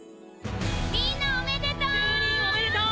みんなおめでとう！